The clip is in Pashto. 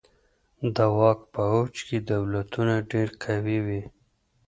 د واک په اوج کي دولتونه ډیر قوي وي.